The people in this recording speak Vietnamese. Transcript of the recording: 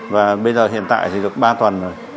và bây giờ hiện tại chỉ được ba tuần rồi